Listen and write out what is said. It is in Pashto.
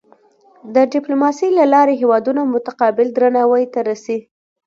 د ډیپلوماسۍ له لارې هېوادونه متقابل درناوی ته رسي.